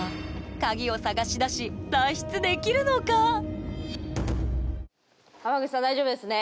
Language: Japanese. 鍵を探し出し脱出できるのか⁉浜口さん大丈夫ですね？